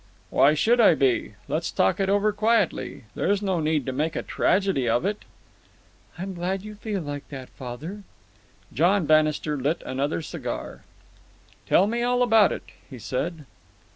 "Why should I be? Let's talk it over quietly. There's no need to make a tragedy of it." "I'm glad you feel like that, father." John Bannister lit another cigar. "Tell me all about it," he said.